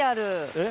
えっ？